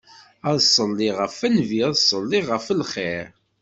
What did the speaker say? Ad ṣelliɣ ɣef Nnbi, ad ṣelliɣ ɣef lxir.